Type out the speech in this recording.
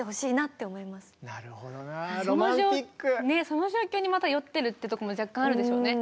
その状況にまた酔ってるってとこも若干あるでしょうね。